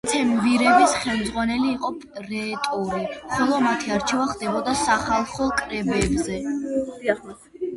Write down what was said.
დეცემვირების ხელმძღვანელი იყო პრეტორი, ხოლო მათი არჩევა ხდებოდა სახალხო კრებებზე.